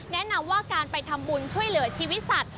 แนะนำว่าการไปทำบุญช่วยเหลือชีวิตสัตว